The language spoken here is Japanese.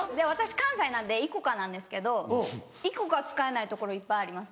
関西なんでＩＣＯＣＡなんですけどＩＣＯＣＡ使えないところいっぱいあります